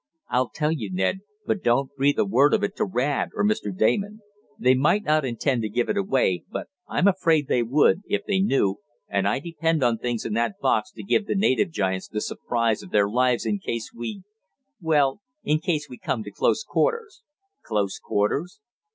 "I'll tell you, Ned, but don't breathe a word of it to Rad or Mr. Damon. They might not intend to give it away, but I'm afraid they would, if they knew, and I depend on the things in that box to give the native giants the surprise of their lives in case we well, in case we come to close quarters." "Close quarters?"